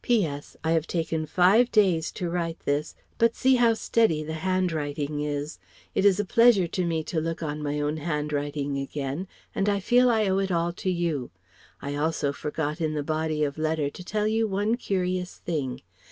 P.S. I have taken five days to write this but see how steady the handwriting is. It is a pleasure to me to look on my own handwriting again. And I feel I owe it all to you! I also forgot in the body of the letter to tell you one curious thing.